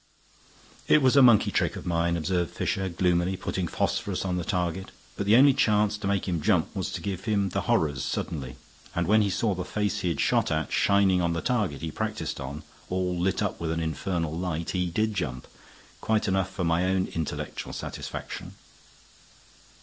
"It was a monkey trick of mine," observed Fisher, gloomily, "putting phosphorus on the target; but the only chance to make him jump was to give him the horrors suddenly. And when he saw the face he'd shot at shining on the target he practiced on, all lit up with an infernal light, he did jump. Quite enough for my own intellectual satisfaction."